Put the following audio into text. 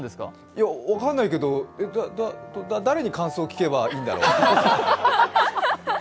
いや、分かんないけど誰に感想聞けばいいんだろう。